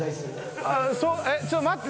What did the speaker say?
えっちょっと待って。